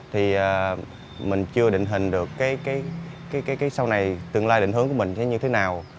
thì mình chưa định hình được cái sau này tương lai định hướng của mình sẽ như thế nào